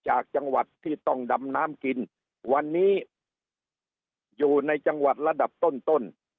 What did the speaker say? จากจังหวัดที่ต้องดำน้ำกินวันนี้อยู่ในจังหวัดระดับต้นต้น